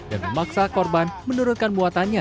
dan memaksa korban menurutkan muatannya